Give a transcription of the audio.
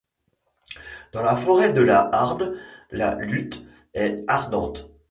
Dans la forêt de la Hardt la lutte est ardente.